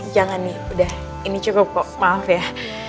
jangan nih udah ini cukup kok maaf ya